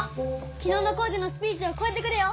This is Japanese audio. きのうの光司のスピーチをこえてくれよ！